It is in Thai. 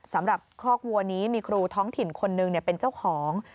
สำหรับคอกวัวนี้มีครูท้องถิ่นคนหนึ่งเป็นเจ้าของ